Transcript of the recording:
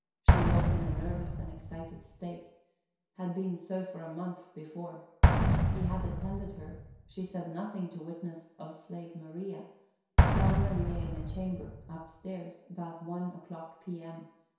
She was in a nervous and excited state; had been so for a month before; he had attended her; she said nothing to witness of slave Maria; found Maria in a chamber, up stairs, about one o'clock, P. M.